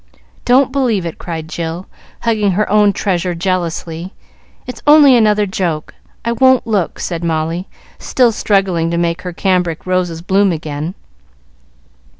"Don't believe it!" cried Jill, hugging her own treasure jealously. "It's only another joke. I won't look," said Molly, still struggling to make her cambric roses bloom again.